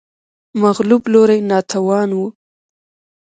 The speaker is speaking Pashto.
مغلوب لوری ناتوان و